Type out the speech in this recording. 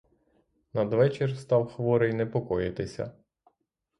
Надвечір став хворий непокоїтися.